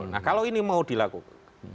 nah kalau ini mau dilakukan